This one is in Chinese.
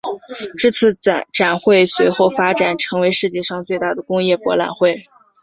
这次展会随后发展成世界上最大的工业博览会。